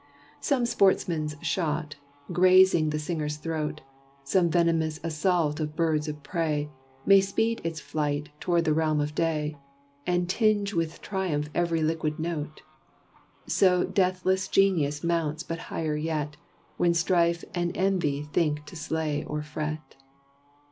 Some sportman's shot, grazing the singer's throat, Some venomous assault of birds of prey, May speed its flight toward the realm of day, And tinge with triumph every liquid note. So deathless Genius mounts but higher yet, When Strife and Envy think to slay or fret.